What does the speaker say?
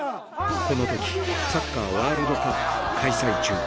このとき、サッカーワールドカップ開催中。